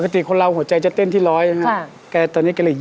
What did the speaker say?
ปกติคนเราหัวใจจะเต้นที่ร้อยค่ะแกตอนนี้ก็เลย๒๐เอง